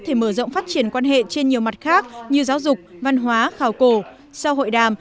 thể mở rộng phát triển quan hệ trên nhiều mặt khác như giáo dục văn hóa khảo cổ sau hội đàm